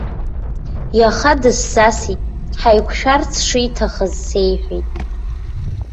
Иаха дысзасит, ҳаиқәшәарц шиҭахыз сеиҳәеит.